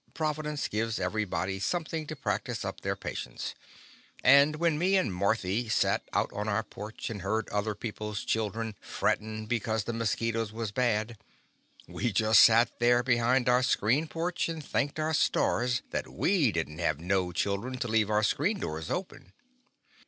rt)vidence giyes^ Every body something to i^aCtise up their patience, and when me and Marthy sat out on our porch and heard other people's children frettin' because the mosquitos was bad, we just sat there behind our screened porch and thanked our stars that we did n't have The Confessions of a Daddy no children to leave our screen doors open.